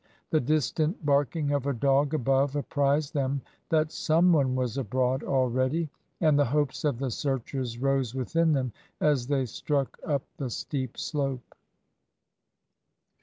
The distant barking of a dog above apprised them that some one was abroad already, and the hopes of the searchers rose within them as they struck up the steep slope.